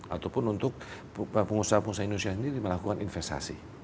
ataupun untuk pengusaha pengusaha indonesia sendiri melakukan investasi